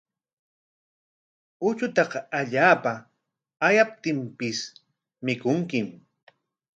Uchutaqa allaapa ayaptinpis mikunkim.